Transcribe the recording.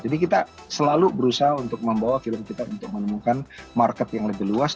jadi kita selalu berusaha untuk membawa film kita untuk menemukan market yang lebih luas